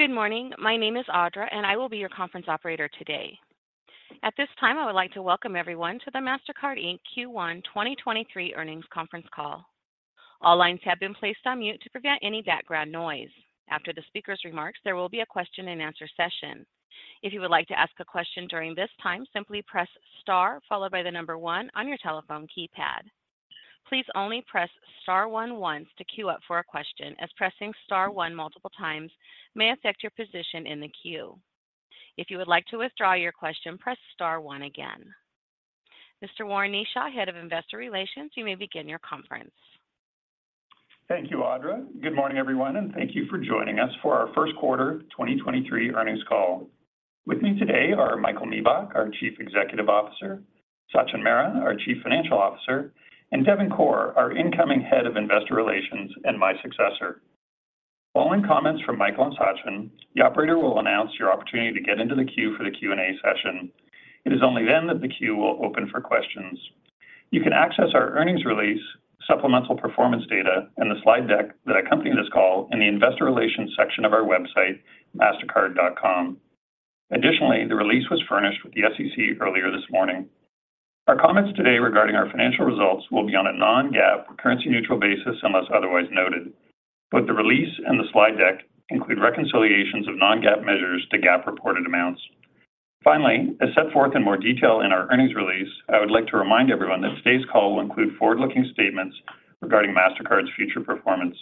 Good morning. My name is Audra. I will be your conference operator today. At this time, I would like to welcome everyone to the Mastercard Inc Q1 2023 earnings conference call. All lines have been placed on mute to prevent any background noise. After the speaker's remarks, there will be a question-and-answer session. If you would like to ask a question during this time, simply press star followed by one on your telephone keypad. Please only press star one once to queue up for a question, as pressing star one multiple times may affect your position in the queue. If you would like to withdraw your question, press star one again. Mr. Warren Kneeshaw, Head of Investor Relations, you may begin your conference. Thank you, Audra. Good morning, everyone, and thank you for joining us for our first quarter 2023 earnings call. With me today are Michael Miebach, our Chief Executive Officer, Sachin Mehra, our Chief Financial Officer, and Devin Corr, our incoming Head of Investor Relations and my successor. Following comments from Michael and Sachin, the operator will announce your opportunity to get into the queue for the Q&A session. It is only then that the queue will open for questions. You can access our earnings release, supplemental performance data, and the slide deck that accompany this call in the investor relations section of our website, mastercard.com. Additionally, the release was furnished with the SEC earlier this morning. Our comments today regarding our financial results will be on a non-GAAP, currency neutral basis, unless otherwise noted. Both the release and the slide deck include reconciliations of non-GAAP measures to GAAP reported amounts. Finally, as set forth in more detail in our earnings release, I would like to remind everyone that today's call will include forward-looking statements regarding Mastercard's future performance.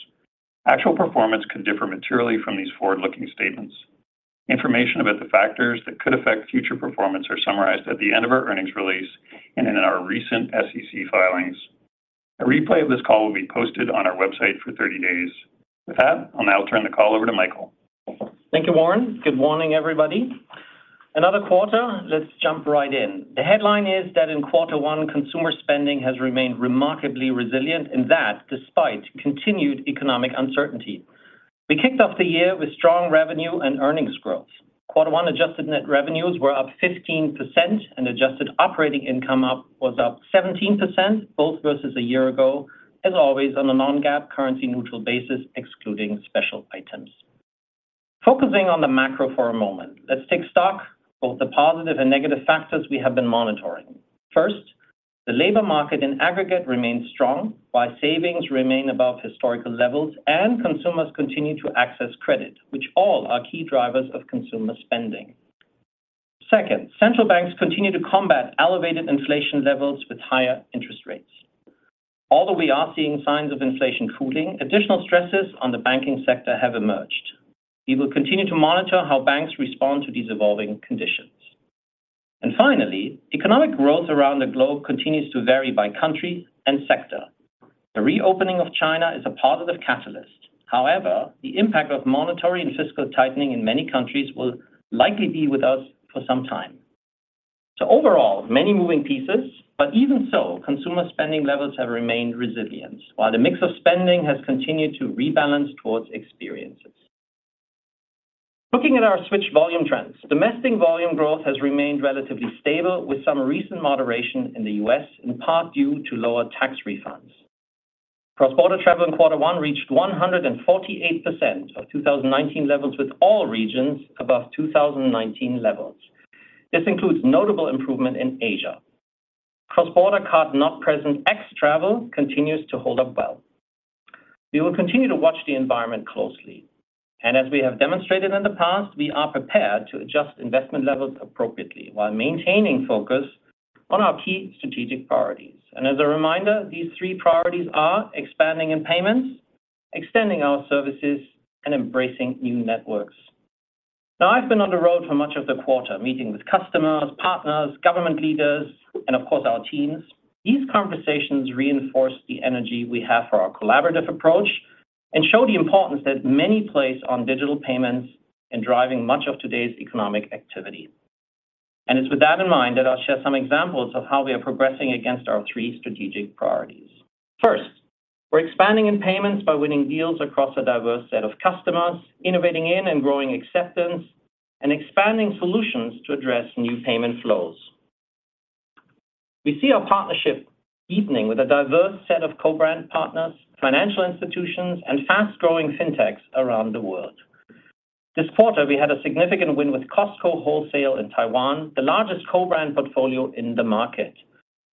Actual performance could differ materially from these forward-looking statements. Information about the factors that could affect future performance are summarized at the end of our earnings release and in our recent SEC filings. A replay of this call will be posted on our website for 30 days. With that, I'll now turn the call over to Michael. Thank you, Warren. Good morning, everybody. Another quarter, let's jump right in. The headline is that in quarter one, consumer spending has remained remarkably resilient and that despite continued economic uncertainty. We kicked off the year with strong revenue and earnings growth. Quarter one adjusted net revenues were up 15% and adjusted operating income was up 17%, both versus a year ago, as always on a non-GAAP currency neutral basis, excluding special items. Focusing on the macro for a moment, let's take stock both the positive and negative factors we have been monitoring. First, the labor market in aggregate remains strong while savings remain above historical levels and consumers continue to access credit, which all are key drivers of consumer spending. Second, central banks continue to combat elevated inflation levels with higher interest rates. Although we are seeing signs of inflation cooling, additional stresses on the banking sector have emerged. We will continue to monitor how banks respond to these evolving conditions. Finally, economic growth around the globe continues to vary by country and sector. The reopening of China is a positive catalyst. However, the impact of monetary and fiscal tightening in many countries will likely be with us for some time. Overall, many moving pieces, but even so, consumer spending levels have remained resilient, while the mix of spending has continued to rebalance towards experiences. Looking at our switch volume trends, domestic volume growth has remained relatively stable with some recent moderation in the U.S., in part due to lower tax refunds. Cross-border travel in quarter one reached 148% of 2019 levels, with all regions above 2019 levels. This includes notable improvement in Asia. Cross-border card not present ex travel continues to hold up well. We will continue to watch the environment closely. As we have demonstrated in the past, we are prepared to adjust investment levels appropriately while maintaining focus on our key strategic priorities. As a reminder, these three priorities are expanding in payments, extending our services, and embracing new networks. Now, I've been on the road for much of the quarter, meeting with customers, partners, government leaders, and of course, our teams. These conversations reinforce the energy we have for our collaborative approach and show the importance that many place on digital payments in driving much of today's economic activity. It's with that in mind that I'll share some examples of how we are progressing against our three strategic priorities. We're expanding in payments by winning deals across a diverse set of customers, innovating in and growing acceptance, and expanding solutions to address new payment flows. We see our partnership deepening with a diverse set of co-brand partners, financial institutions, and fast-growing fintechs around the world. This quarter, we had a significant win with Costco Wholesale in Taiwan, the largest co-brand portfolio in the market.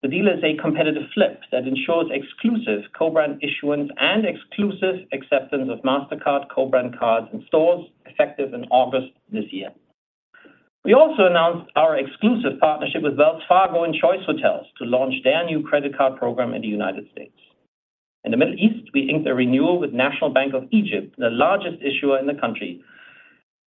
The deal is a competitive flip that ensures exclusive co-brand issuance and exclusive acceptance of Mastercard co-brand cards in stores effective in August this year. We also announced our exclusive partnership with Wells Fargo and Choice Hotels to launch their new credit card program in the United States. In the Middle East, we inked a renewal with National Bank of Egypt, the largest issuer in the country.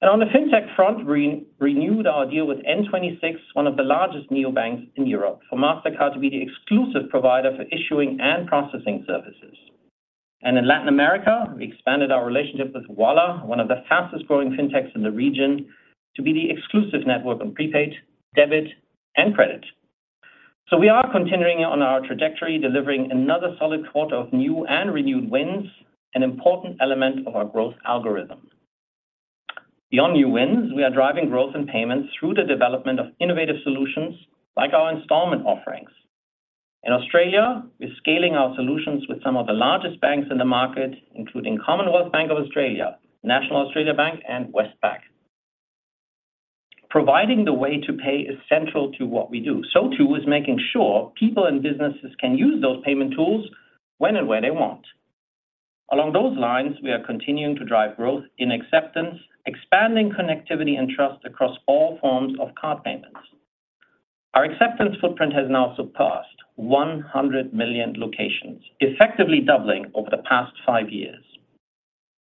On the fintech front, re-renewed our deal with N26, one of the largest neobanks in Europe, for Mastercard to be the exclusive provider for issuing and processing services. In Latin America, we expanded our relationship with Ualá, one of the fastest growing fintechs in the region, to be the exclusive network on prepaid, debit, and credit. We are continuing on our trajectory, delivering another solid quarter of new and renewed wins, an important element of our growth algorithm. Beyond new wins, we are driving growth and payments through the development of innovative solutions like our installment offerings. In Australia, we're scaling our solutions with some of the largest banks in the market, including Commonwealth Bank of Australia, National Australia Bank, and Westpac. Providing the way to pay is central to what we do, so too is making sure people and businesses can use those payment tools when and where they want. Along those lines, we are continuing to drive growth in acceptance, expanding connectivity and trust across all forms of card payments. Our acceptance footprint has now surpassed 100 million locations, effectively doubling over the past five years,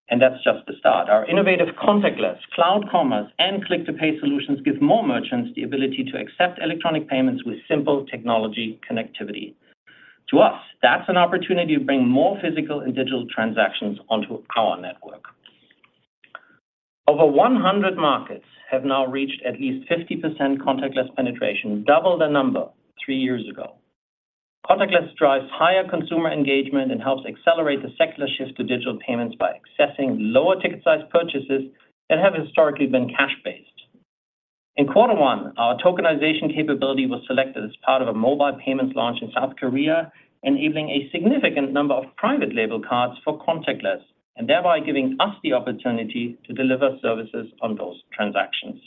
and that's just the start. Our innovative contactless, Cloud Commerce, and Click to Pay solutions give more merchants the ability to accept electronic payments with simple technology connectivity. To us, that's an opportunity to bring more physical and digital transactions onto our network. Over 100 markets have now reached at least 50% contactless penetration, double the number three years ago. Contactless drives higher consumer engagement and helps accelerate the secular shift to digital payments by accessing lower ticket sized purchases that have historically been cash-based. In quarter one, our tokenization capability was selected as part of a mobile payments launch in South Korea, enabling a significant number of private label cards for contactless, and thereby giving us the opportunity to deliver services on those transactions.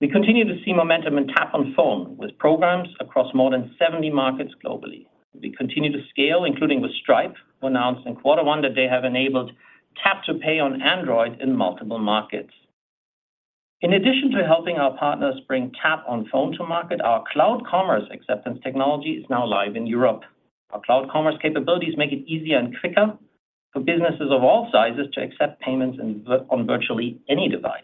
We continue to see momentum in Tap on Phone with programs across more than 70 markets globally. We continue to scale, including with Stripe, who announced in quarter one that they have enabled Tap to Pay on Android in multiple markets. In addition to helping our partners bring Tap on Phone to market, our Cloud Commerce acceptance technology is now live in Europe. Our Cloud Commerce capabilities make it easier and quicker for businesses of all sizes to accept payments on virtually any device.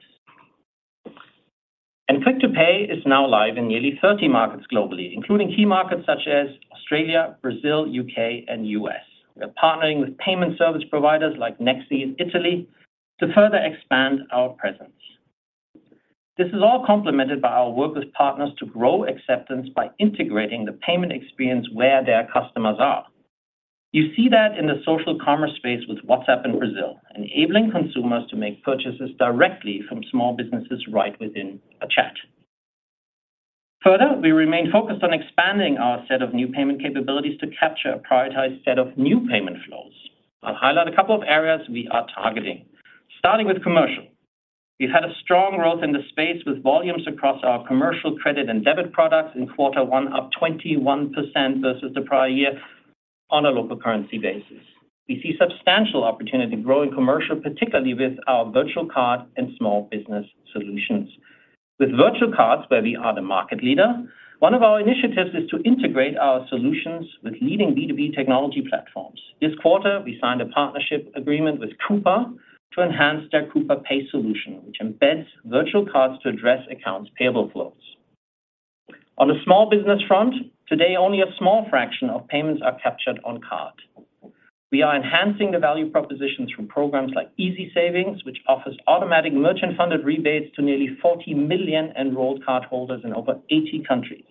Click to Pay is now live in nearly 30 markets globally, including key markets such as Australia, Brazil, U.K., and U.S. We are partnering with payment service providers like Nexi in Italy to further expand our presence. This is all complemented by our work with partners to grow acceptance by integrating the payment experience where their customers are. You see that in the social commerce space with WhatsApp in Brazil, enabling consumers to make purchases directly from small businesses right within a chat. We remain focused on expanding our set of new payment capabilities to capture a prioritized set of new payment flows. I'll highlight a couple of areas we are targeting. Starting with commercial. We've had a strong growth in this space with volumes across our commercial credit and debit products in quarter one up 21% versus the prior year on a local currency basis. We see substantial opportunity to grow in commercial, particularly with our virtual card and small business solutions. With virtual cards, where we are the market leader, one of our initiatives is to integrate our solutions with leading B2B technology platforms. This quarter, we signed a partnership agreement with Coupa to enhance their Coupa Pay solution, which embeds virtual cards to address accounts payable flows. On the small business front, today, only a small fraction of payments are captured on card. We are enhancing the value propositions from programs like Easy Savings, which offers automatic merchant-funded rebates to nearly 40 million enrolled cardholders in over 80 countries.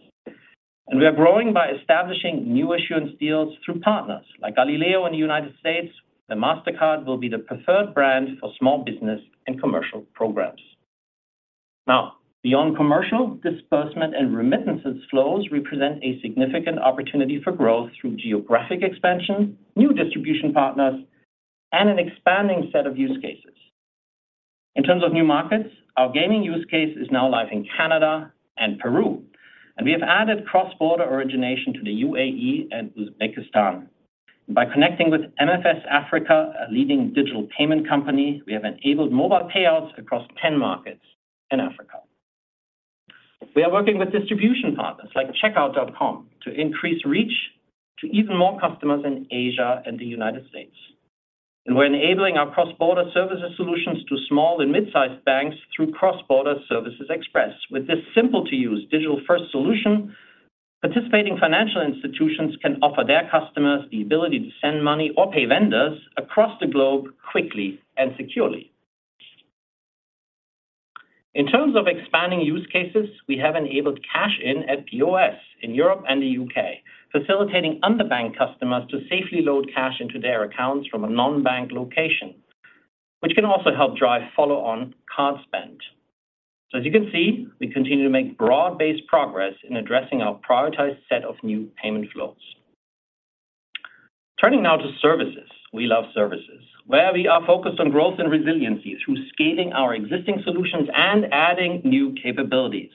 We are growing by establishing new issuance deals through partners. Like Galileo in the United States, Mastercard will be the preferred brand for small business and commercial programs. Beyond commercial, disbursement and remittances flows represent a significant opportunity for growth through geographic expansion, new distribution partners, and an expanding set of use cases. In terms of new markets, our gaming use case is now live in Canada and Peru, and we have added cross-border origination to the UAE and Uzbekistan. By connecting with MFS Africa, a leading digital payment company, we have enabled mobile payouts across 10 markets in Africa. We are working with distribution partners like Checkout.com to increase reach to even more customers in Asia and the United States. We're enabling our cross-border services solutions to small and mid-sized banks through Cross-Border Services Express. With this simple-to-use digital first solution, participating financial institutions can offer their customers the ability to send money or pay vendors across the globe quickly and securely. In terms of expanding use cases, we have enabled cash-in at U.S., in Europe, and the U.K., facilitating under-bank customers to safely load cash into their accounts from a non-bank location, which can also help drive follow-on card spend. As you can see, we continue to make broad-based progress in addressing our prioritized set of new payment flows. Turning now to services. We love services, where we are focused on growth and resiliency through scaling our existing solutions and adding new capabilities.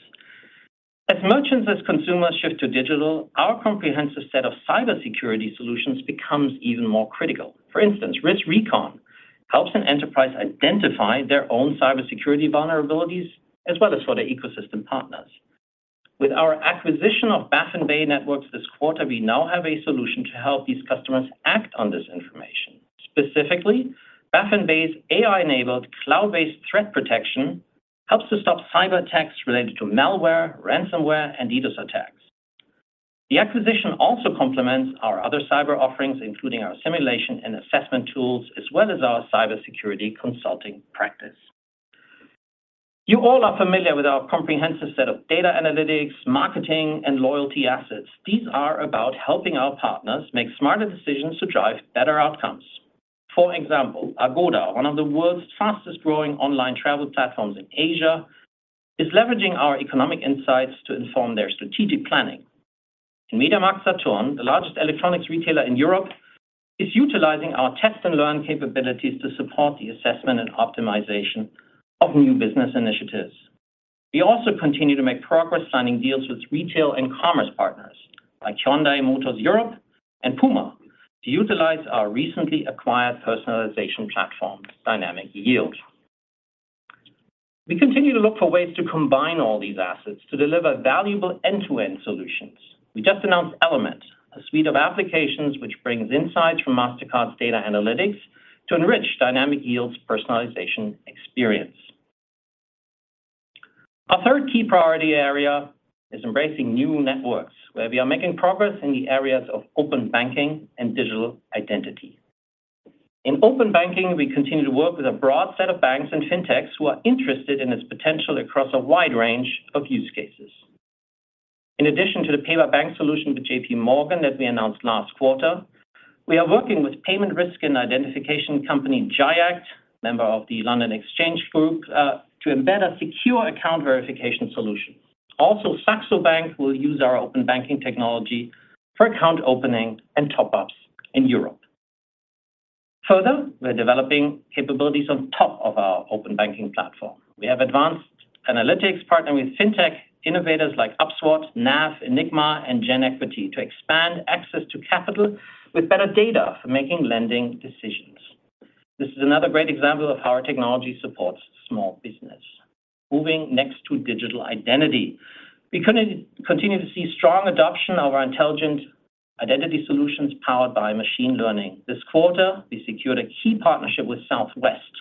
As merchants, as consumers shift to digital, our comprehensive set of cybersecurity solutions becomes even more critical. For instance, RiskRecon helps an enterprise identify their own cybersecurity vulnerabilities as well as for their ecosystem partners. With our acquisition of Baffin Bay Networks this quarter, we now have a solution to help these customers act on this information. Specifically, Baffin Bay's AI-enabled, cloud-based threat protection helps to stop cyberattacks related to malware, ransomware, and DDoS attacks. The acquisition also complements our other cyber offerings, including our simulation and assessment tools, as well as our cybersecurity consulting practice. You all are familiar with our comprehensive set of data analytics, marketing, and loyalty assets. These are about helping our partners make smarter decisions to drive better outcomes. For example, Agoda, one of the world's fastest-growing online travel platforms in Asia, is leveraging our economic insights to inform their strategic planning. MediaMarktSaturn, the largest electronics retailer in Europe, is utilizing our test and learn capabilities to support the assessment and optimization of new business initiatives. We also continue to make progress signing deals with retail and commerce partners like Hyundai Motor Europe and PUMA to utilize our recently acquired personalization platform, Dynamic Yield. We continue to look for ways to combine all these assets to deliver valuable end-to-end solutions. We just announced Element, a suite of applications which brings insights from Mastercard's data analytics to enrich Dynamic Yield's personalization experience. Our third key priority area is embracing new networks where we are making progress in the areas of open banking and digital identity. In open banking, we continue to work with a broad set of banks and fintechs who are interested in its potential across a wide range of use cases. In addition to the Pay by Bank solution with JPMorgan that we announced last quarter, we are working with payment risk and identification company GIACT, member of the London Stock Exchange Group, to embed a secure account verification solution. Saxo Bank will use our open banking technology for account opening and top-ups in Europe. We're developing capabilities on top of our open banking platform. We have advanced analytics partnering with fintech innovators like upSWOT, Nav, Enigma, and GenEquity to expand access to capital with better data for making lending decisions. This is another great example of how our technology supports small business. Moving next to digital identity. We continue to see strong adoption of our intelligent identity solutions powered by machine learning. This quarter, we secured a key partnership with Southwest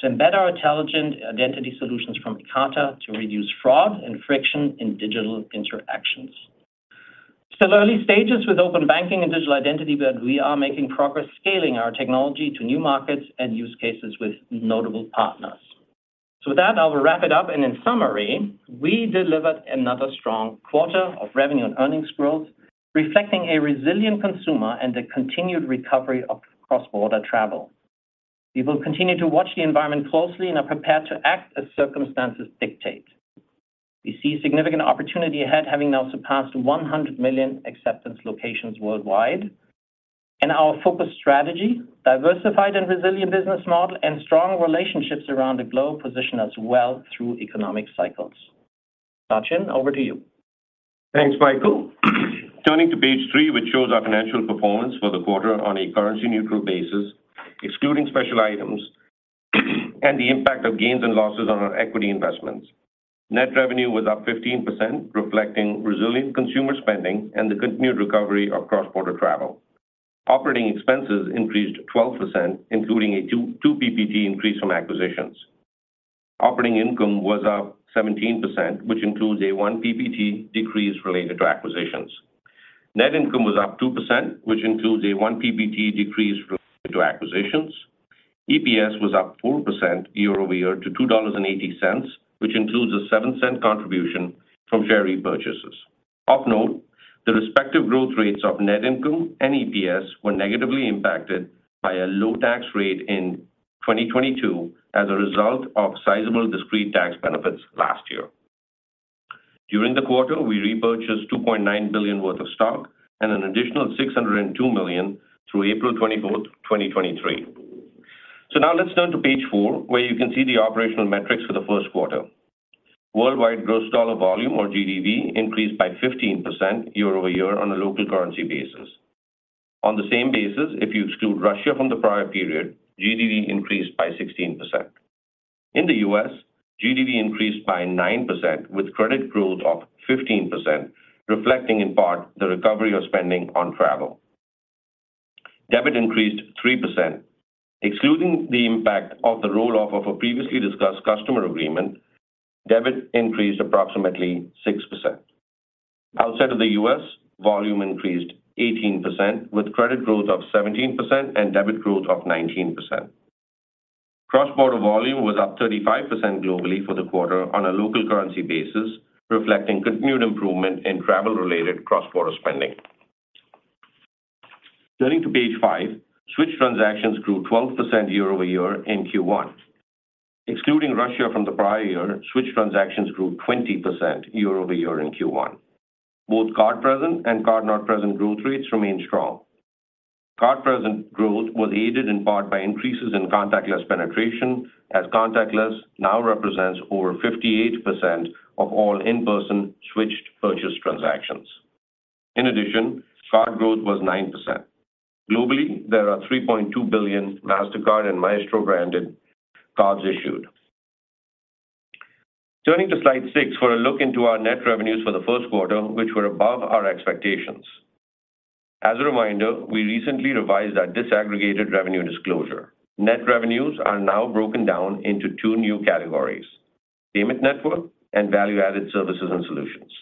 to embed our intelligent identity solutions from Ekata to reduce fraud and friction in digital interactions. Early stages with open banking and digital identity, we are making progress scaling our technology to new markets and use cases with notable partners. With that, I will wrap it up. In summary, we delivered another strong quarter of revenue and earnings growth, reflecting a resilient consumer and the continued recovery of cross-border travel. We will continue to watch the environment closely and are prepared to act as circumstances dictate. We see significant opportunity ahead, having now surpassed 100 million acceptance locations worldwide, and our focused strategy, diversified and resilient business model, and strong relationships around the globe position us well through economic cycles. Sachin, over to you. Thanks, Michael. Turning to page three, which shows our financial performance for the quarter on a currency-neutral basis, excluding special items and the impact of gains and losses on our equity investments. Net revenue was up 15%, reflecting resilient consumer spending and the continued recovery of cross-border travel. Operating expenses increased 12%, including a 2 ppt increase from acquisitions. Operating income was up 17%, which includes a 1 ppt decrease related to acquisitions. Net income was up 2%, which includes a 1 ppt decrease related to acquisitions. EPS was up 4% year-over-year to $2.80, which includes a $0.07 contribution from share repurchases. Of note, the respective growth rates of net income and EPS were negatively impacted by a low tax rate in 2022 as a result of sizable discrete tax benefits last year. During the quarter, we repurchased $2.9 billion worth of stock and an additional $602 million through April 24, 2023. Now let's turn to page four, where you can see the operational metrics for the first quarter. Worldwide gross dollar volume, or GDV, increased by 15% year-over-year on a local currency basis. On the same basis, if you exclude Russia from the prior period, GDV increased by 16%. In the U.S., GDV increased by 9%, with credit growth of 15%, reflecting in part the recovery of spending on travel. Debit increased 3%. Excluding the impact of the roll-off of a previously discussed customer agreement, debit increased approximately 6%. Outside of the U.S., volume increased 18%, with credit growth of 17% and debit growth of 19%. Cross-border volume was up 35% globally for the quarter on a local currency basis, reflecting continued improvement in travel-related cross-border spending. Turning to page five, switched transactions grew 12% year-over-year in Q1. Excluding Russia from the prior year, switched transactions grew 20% year-over-year in Q1. Both card present and card not present growth rates remained strong. Card present growth was aided in part by increases in contactless penetration, as contactless now represents over 58% of all in-person switched purchase transactions. In addition, card growth was 9%. Globally, there are 3.2 billion Mastercard and Maestro-branded cards issued. Turning to slide six for a look into our net revenues for the first quarter, which were above our expectations. As a reminder, we recently revised our disaggregated revenue disclosure. Net revenues are now broken down into two new categories, Payment Network and Value-Added Services and Solutions.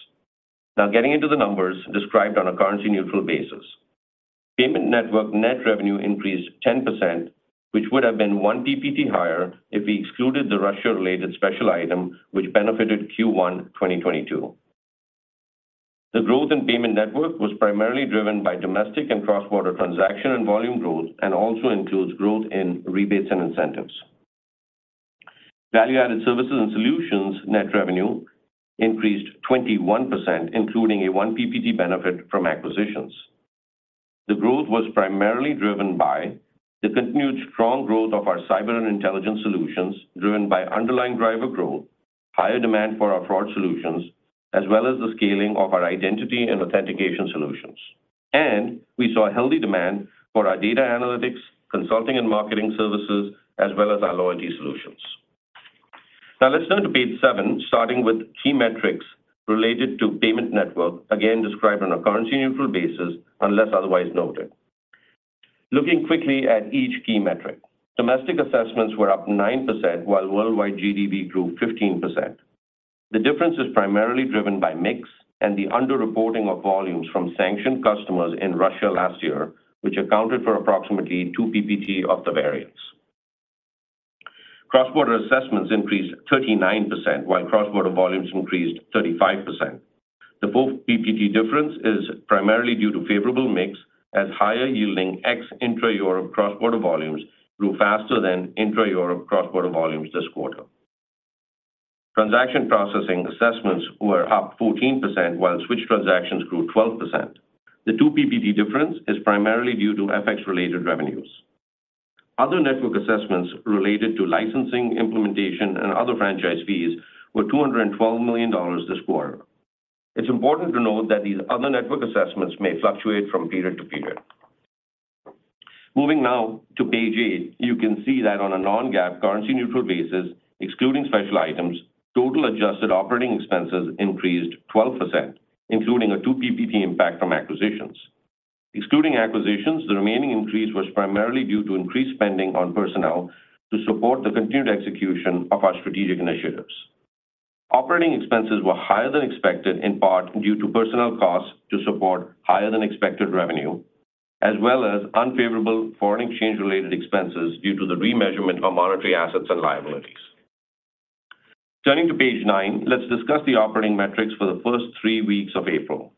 Now getting into the numbers described on a currency-neutral basis. Payment Network net revenue increased 10%, which would have been 1 ppt higher if we excluded the Russia-related special item which benefited Q1 2022. The growth in Payment Network was primarily driven by domestic and cross-border transaction and volume growth, and also includes growth in rebates and incentives. Value-Added Services and Solutions net revenue increased 21%, including a 1 ppt benefit from acquisitions. The growth was primarily driven by the continued strong growth of our cyber and intelligence solutions, driven by underlying driver growth, higher demand for our fraud solutions, as well as the scaling of our identity and authentication solutions. We saw a healthy demand for our data analytics, consulting and marketing services, as well as our loyalty solutions. Let's turn to page seven, starting with key metrics related to Payment Network, again, described on a currency-neutral basis unless otherwise noted. Looking quickly at each key metric. Domestic assessments were up 9%, while worldwide GDV grew 15%. The difference is primarily driven by mix and the under-reporting of volumes from sanctioned customers in Russia last year, which accounted for approximately 2 ppt of the variance. Cross-border assessments increased 39%, while cross-border volumes increased 35%. The full ppt difference is primarily due to favorable mix as higher yielding ex intra Europe cross-border volumes grew faster than intra Europe cross-border volumes this quarter. Transaction processing assessments were up 14%, while switch transactions grew 12%. The 2 ppt difference is primarily due to FX-related revenues. Other network assessments related to licensing, implementation, and other franchise fees were $212 million this quarter. It's important to note that these other network assessments may fluctuate from period to period. Moving now to page eight, you can see that on a non-GAAP currency neutral basis, excluding special items, total adjusted operating expenses increased 12%, including a 2 ppt impact from acquisitions. Excluding acquisitions, the remaining increase was primarily due to increased spending on personnel to support the continued execution of our strategic initiatives. Operating expenses were higher than expected, in part due to personnel costs to support higher than expected revenue, as well as unfavorable foreign exchange-related expenses due to the remeasurement of monetary assets and liabilities. Turning to page nine, let's discuss the operating metrics for the first three weeks of April.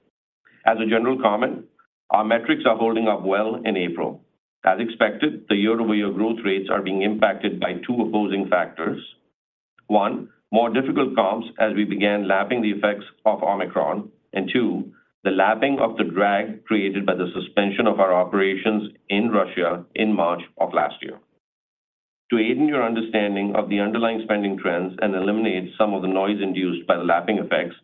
As a general comment, our metrics are holding up well in April. As expected, the year-over-year growth rates are being impacted by two opposing factors. One, more difficult comps as we began lapping the effects of Omicron. Two, the lapping of the drag created by the suspension of our operations in Russia in March of last year. To aid in your understanding of the underlying spending trends and eliminate some of the noise induced by the lapping effects,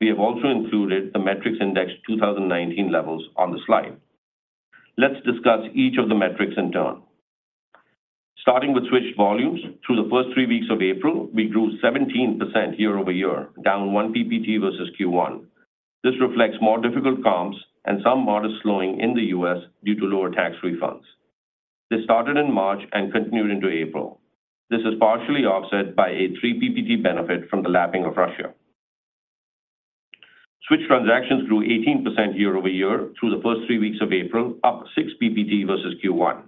we have also included the Metrics Index 2019 levels on the slide. Let's discuss each of the metrics in turn. Starting with switched volumes, through the first three weeks of April, we grew 17% year-over-year, down 1 ppt versus Q1. This reflects more difficult comps and some modest slowing in the U.S. due to lower tax refunds. This started in March and continued into April. This is partially offset by a 3 ppt benefit from the lapping of Russia. Switched transactions grew 18% year-over-year through the first three weeks of April, up 6 ppt versus Q1.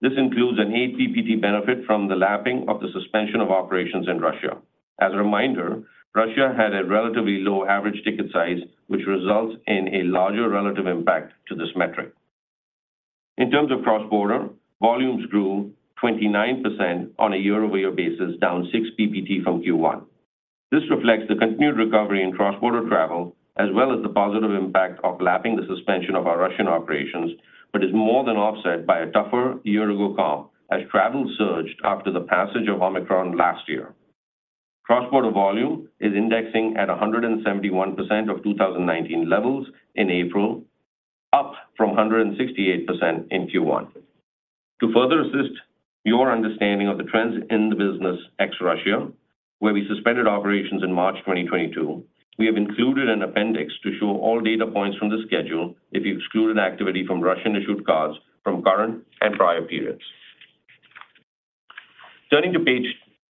This includes an 8 ppt benefit from the lapping of the suspension of operations in Russia. As a reminder, Russia had a relatively low average ticket size, which results in a larger relative impact to this metric. In terms of cross-border, volumes grew 29% on a year-over-year basis, down 6 ppt from Q1. This reflects the continued recovery in cross-border travel, as well as the positive impact of lapping the suspension of our Russian operations, is more than offset by a tougher year-ago comp as travel surged after the passage of Omicron last year. Cross-border volume is indexing at 171% of 2019 levels in April, up from 168% in Q1. To further assist your understanding of the trends in the business ex Russia, where we suspended operations in March 2022, we have included an appendix to show all data points from the schedule if you exclude an activity from Russian-issued cards from current and prior periods. Turning to page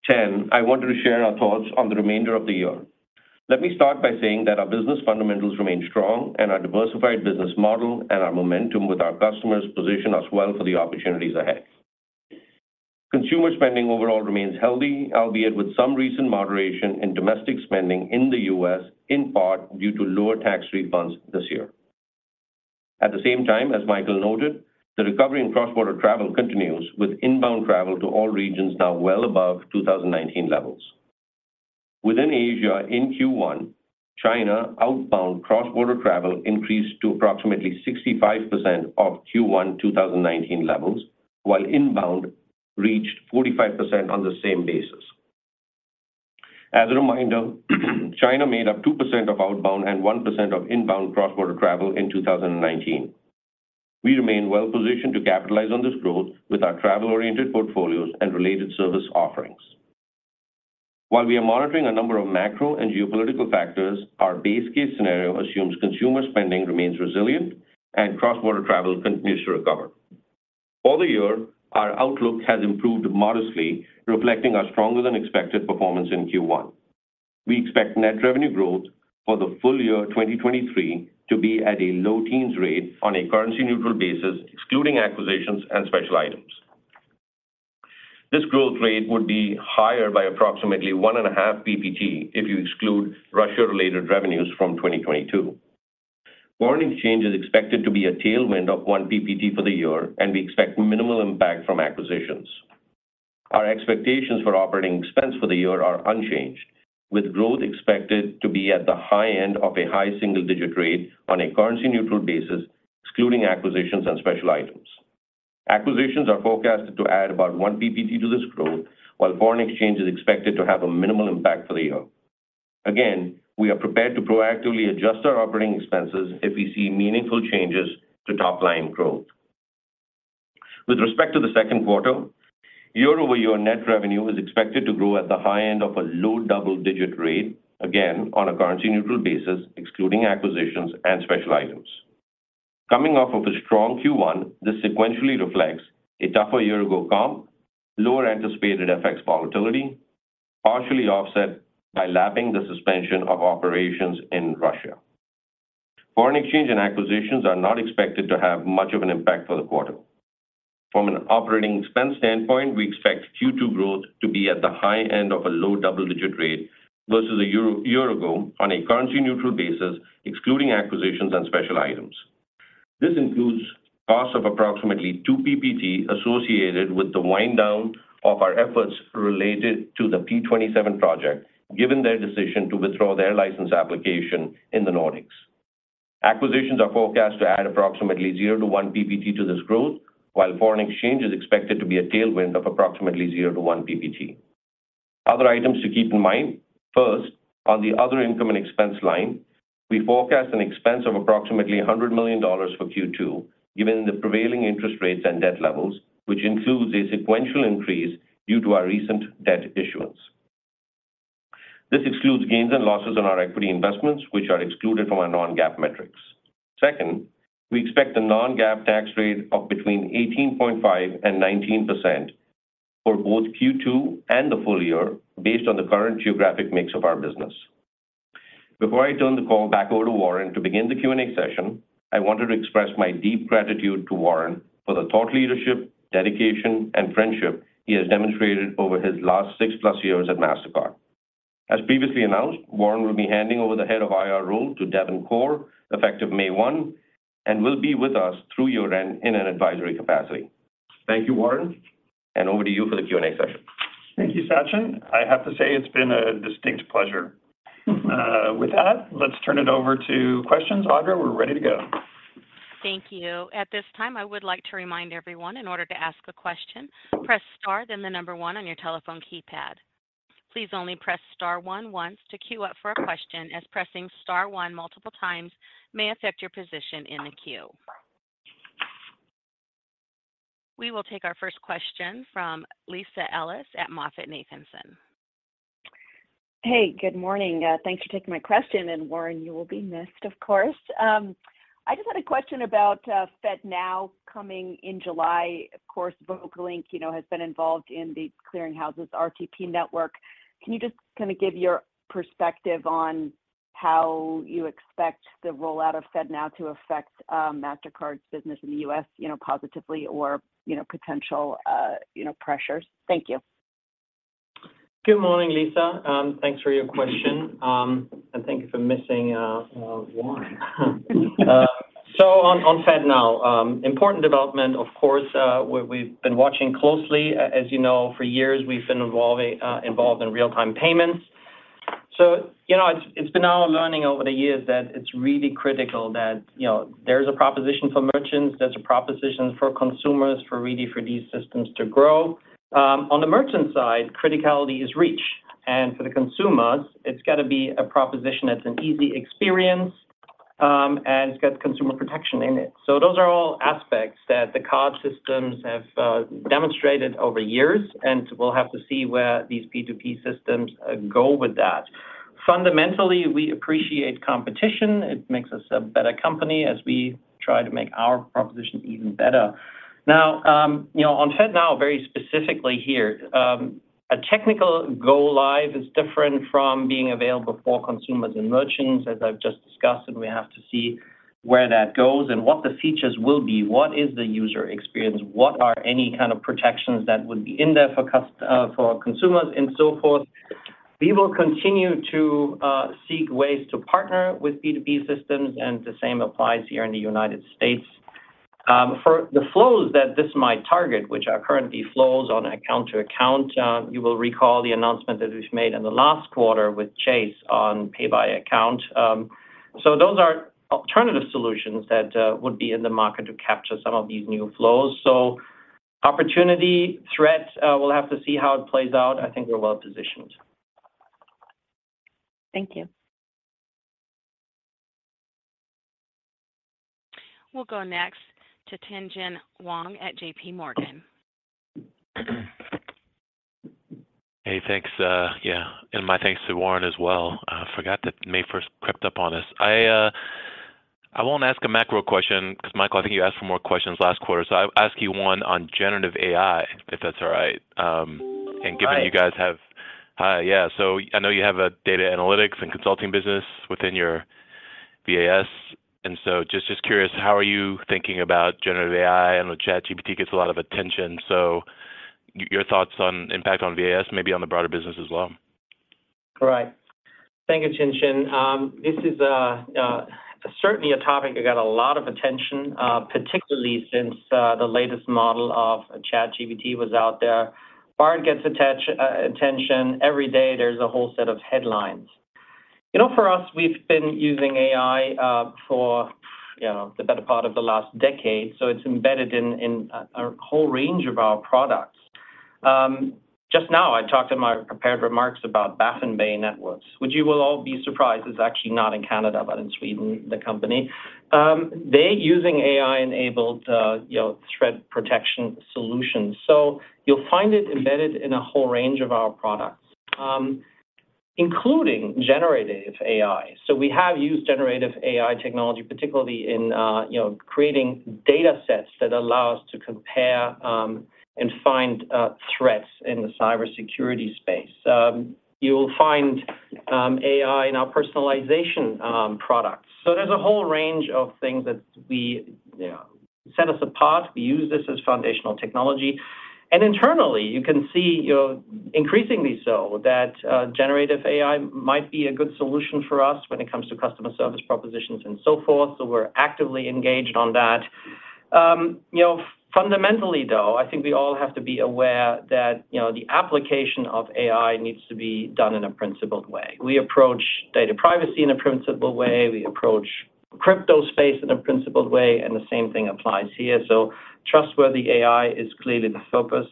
10, I wanted to share our thoughts on the remainder of the year. Let me start by saying that our business fundamentals remain strong, and our diversified business model and our momentum with our customers position us well for the opportunities ahead. Consumer spending overall remains healthy, albeit with some recent moderation in domestic spending in the U.S., in part due to lower tax refunds this year. At the same time, as Michael noted, the recovery in cross-border travel continues, with inbound travel to all regions now well above 2019 levels. Within Asia in Q1, China outbound cross-border travel increased to approximately 65% of Q1 2019 levels, while inbound reached 45% on the same basis. As a reminder, China made up 2% of outbound and 1% of inbound cross-border travel in 2019. We remain well positioned to capitalize on this growth with our travel-oriented portfolios and related service offerings. While we are monitoring a number of macro and geopolitical factors, our base case scenario assumes consumer spending remains resilient and cross-border travel continues to recover. For the year, our outlook has improved modestly, reflecting a stronger than expected performance in Q1. We expect net revenue growth for the full year 2023 to be at a low teens rate on a currency-neutral basis, excluding acquisitions and special items. This growth rate would be higher by approximately 1.5 ppt if you exclude Russia-related revenues from 2022. Foreign exchange is expected to be a tailwind of 1 ppt for the year, and we expect minimal impact from acquisitions. Our expectations for operating expense for the year are unchanged, with growth expected to be at the high end of a high single-digit rate on a currency-neutral basis, excluding acquisitions and special items. Acquisitions are forecasted to add about 1 ppt to this growth, while foreign exchange is expected to have a minimal impact for the year. Again, we are prepared to proactively adjust our operating expenses if we see meaningful changes to top-line growth. With respect to the second quarter, year-over-year net revenue is expected to grow at the high end of a low double-digit rate, again, on a currency-neutral basis, excluding acquisitions and special items. Coming off of a strong Q1, this sequentially reflects a tougher year ago comp, lower anticipated FX volatility, partially offset by lapping the suspension of operations in Russia. Foreign exchange and acquisitions are not expected to have much of an impact for the quarter. From an operating expense standpoint, we expect Q2 growth to be at the high end of a low double-digit rate versus a year ago on a currency-neutral basis, excluding acquisitions and special items. This includes costs of approximately 2 ppt associated with the wind-down of our efforts related to the P27 project, given their decision to withdraw their license application in the Nordics. Acquisitions are forecast to add approximately 0 ppt-1 ppt to this growth, while foreign exchange is expected to be a tailwind of approximately 0 ppt-1 ppt. Other items to keep in mind, first, on the other income and expense line, we forecast an expense of approximately $100 million for Q2, given the prevailing interest rates and debt levels, which includes a sequential increase due to our recent debt issuance. This excludes gains and losses on our equity investments, which are excluded from our non-GAAP metrics. Second, we expect a non-GAAP tax rate of between 18.5% and 19% for both Q2 and the full year based on the current geographic mix of our business. Before I turn the call back over to Warren to begin the Q&A session, I wanted to express my deep gratitude to Warren for the thought leadership, dedication, and friendship he has demonstrated over his last 6+ years at Mastercard. As previously announced, Warren will be handing over the Head of IR role to Devin Corr effective May 1 and will be with us through year-end in an advisory capacity. Thank you, Warren, and over to you for the Q&A session. Thank you, Sachin. I have to say it's been a distinct pleasure. With that, let's turn it over to questions. Audra, we're ready to go. Thank you. At this time, I would like to remind everyone in order to ask a question, press star, then the number one on your telephone keypad. Please only press star one once to queue up for a question as pressing star one multiple times may affect your position in the queue. We will take our first question from Lisa Ellis at MoffettNathanson. Hey, good morning. Thanks for taking my question. Warren, you will be missed, of course. I just had a question about FedNow coming in July. Of course, Vocalink, you know, has been involved in The Clearing House's RTP network. Can you just kinda give your perspective on how you expect the rollout of FedNow to affect Mastercard's business in the U.S., you know, positively or, you know, potential, you know, pressures? Thank you. Good morning, Lisa. Thanks for your question, and thank you for missing, Warren. On FedNow, important development, of course, we've been watching closely. As you know, for years we've been involving, involved in real-time payments. You know, it's been our learning over the years that it's really critical that, you know, there's a proposition for merchants, there's a proposition for consumers for really for these systems to grow. On the merchant side, criticality is reach. For the consumers, it's gotta be a proposition that's an easy experience, and it's got consumer protection in it. Those are all aspects that the card systems have, demonstrated over years, and we'll have to see where these P2P systems go with that. Fundamentally, we appreciate competition. It makes us a better company as we try to make our proposition even better. You know, on FedNow, very specifically here, a technical go-live is different from being available for consumers and merchants, as I've just discussed. We have to see where that goes and what the features will be, what is the user experience, what are any kind of protections that would be in there for consumers and so forth. We will continue to seek ways to partner with P2P systems. The same applies here in the United States. For the flows that this might target, which are currently flows on account to account, you will recall the announcement that we've made in the last quarter with Chase on Pay by Account. Those are alternative solutions that, would be in the market to capture some of these new flows. Opportunity, threats, we'll have to see how it plays out. I think we're well positioned. Thank you. We'll go next to Tien-Tsin Huang at JPMorgan. Hey, thanks, yeah, my thanks to Warren as well. I forgot that May first crept up on us. I won't ask a macro question because Michael, I think you asked for more questions last quarter. I'll ask you one on generative AI, if that's all right. Right. Hi. Yeah. I know you have a data analytics and consulting business within your VAS. Just curious, how are you thinking about generative AI? I know ChatGPT gets a lot of attention. Your thoughts on impact on VAS, maybe on the broader business as well. Right. Thanks, Tien-Tsin. This is certainly a topic that got a lot of attention, particularly since the latest model of ChatGPT was out there. Bard gets attention. Every day there's a whole set of headlines. You know, for us, we've been using AI for, you know, the better part of the last decade, so it's embedded in a whole range of our products. Just now I talked in my prepared remarks about Baffin Bay Networks, which you will all be surprised is actually not in Canada, but in Sweden, the company. They're using AI-enabled, you know, threat protection solutions. You'll find it embedded in a whole range of our products, including generative AI. We have used generative AI technology, particularly in, you know, creating datasets that allow us to compare and find threats in the cybersecurity space. You'll find AI in our personalization products. There's a whole range of things that we, you know, set us apart. We use this as foundational technology. Internally, you can see, you know, increasingly so that generative AI might be a good solution for us when it comes to customer service propositions and so forth. We're actively engaged on that. You know, fundamentally, though, I think we all have to be aware that, you know, the application of AI needs to be done in a principled way. We approach data privacy in a principled way. We approach crypto space in a principled way, and the same thing applies here. Trustworthy AI is clearly the focus.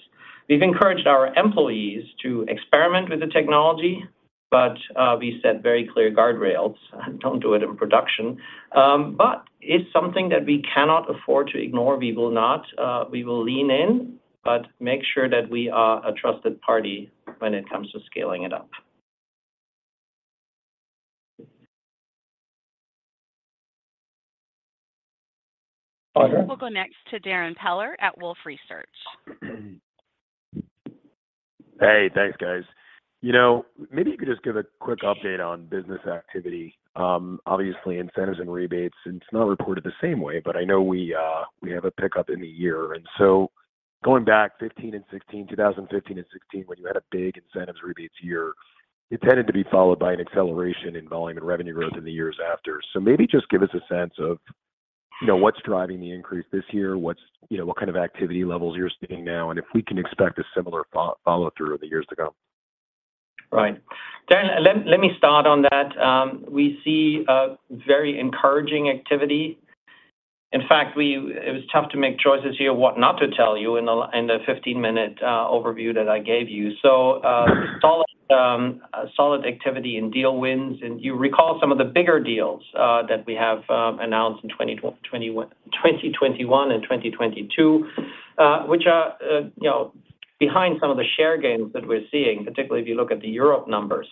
We've encouraged our employees to experiment with the technology, but we set very clear guardrails. Don't do it in production. It's something that we cannot afford to ignore. We will lean in, but make sure that we are a trusted party when it comes to scaling it up. Other- We'll go next to Darrin Peller at Wolfe Research. Hey, thanks, guys. You know, maybe you could just give a quick update on business activity. Obviously, incentives and rebates, it's not reported the same way, but I know we have a pickup in the year. Going back 2015 and 2016, 2015 and 2016, when you had a big incentives rebates year, it tended to be followed by an acceleration in volume and revenue growth in the years after. Maybe just give us a sense of, you know, what's driving the increase this year, what's, you know, what kind of activity levels you're seeing now, and if we can expect a similar follow-through in the years to come. Right. Darrin, let me start on that. We see a very encouraging activity. In fact, it was tough to make choices here what not to tell you in the 15-minute overview that I gave you. Solid activity in deal wins, and you recall some of the bigger deals that we have announced in 2021 and 2022, which are, you know, behind some of the share gains that we're seeing, particularly if you look at the Europe numbers.